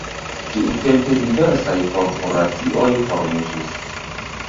Tiutempe diversaj korporacioj formiĝis.